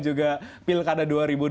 juga pilkada dua ribu dua puluh